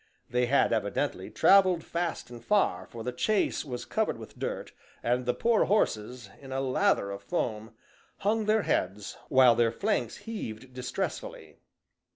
They had evidently travelled fast and far, for the chaise was covered with dirt; and the poor horses, in a lather of foam, hung their heads, while their flanks heaved distressfully.